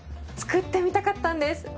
作ってみたかったんです。